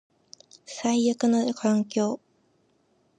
最悪な環境